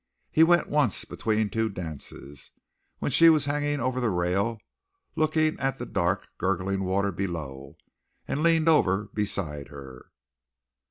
He went once between two dances, when she was hanging over the rail looking at the dark, gurgling water below, and leaned over beside her.